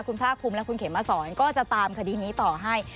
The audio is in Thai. คุณภาคภูมิและคุณเขมมาสอนก็จะตามคดีนี้ต่อให้